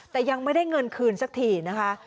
แต่ยังไม่ได้เงินคืนสักทีนะคะ